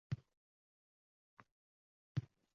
Men yozgan zaif narsalar bor.